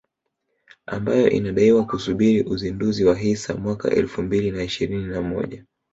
ambayo inadaiwa kusubiri uzinduzi wa hisa mwaka elfu mbili na ishirini na moja